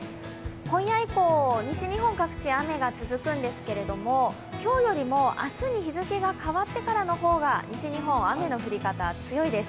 今夜以降、西日本各地雨が続くんですけれども今日より明日に日付が変わってからの方が西日本、雨の降り方強いです。